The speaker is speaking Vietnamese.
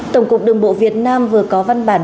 tổng cục đường bộ việt nam vừa có văn bản